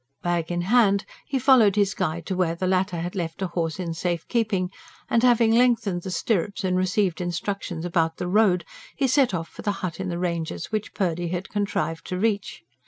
Bag in hand, he followed his guide to where the latter had left a horse in safe keeping; and having lengthened the stirrups and received instructions about the road, he set off for the hut in the ranges which Purdy had contrived to reach.